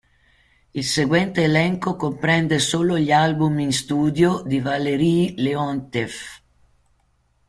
Il seguente elenco comprende solo gli album in studio di Valerij Leont'ev.